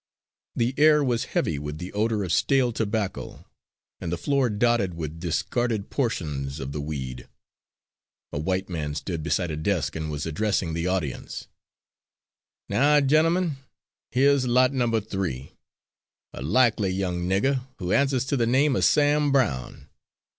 The air was heavy with the odour of stale tobacco, and the floor dotted with discarded portions of the weed. A white man stood beside a desk and was addressing the audience: "Now, gentlemen, here's Lot Number Three, a likely young nigger who answers to the name of Sam Brown.